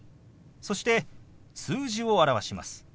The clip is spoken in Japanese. そして数字を表します。